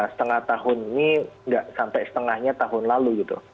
setengah tahun ini nggak sampai setengahnya tahun lalu gitu